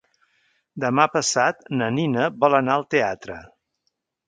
Demà passat na Nina vol anar al teatre.